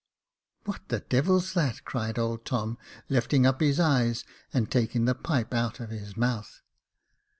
" What the devil's that ?" cried old Tom, lifting up his eyes and taking the pipe out of his mouth.